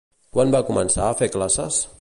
Quan va començar a fer classes?